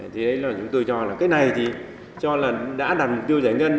thế đấy là chúng tôi cho là cái này thì cho là đã đặt tiêu giải ngân